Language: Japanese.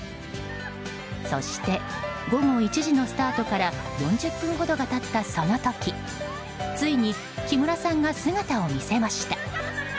そして、午後１時のスタートから４０分ほどが経ったその時ついに木村さんが姿を見せました。